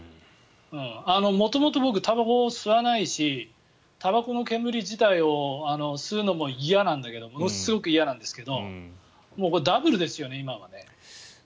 元々僕、たばこを吸わないしたばこの煙自体を吸うのも嫌なんだけどもものすごく嫌なんですけどこれ、ダブルですよね、今は。